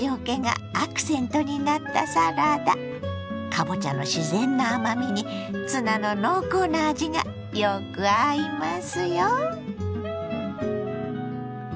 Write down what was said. かぼちゃの自然な甘みにツナの濃厚な味がよく合いますよ。